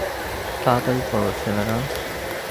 তাড়াতাড়ি কর, ছেলেরা!